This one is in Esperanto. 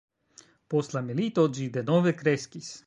Post la milito ĝi denove kreskis.